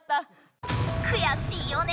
くやしいよね！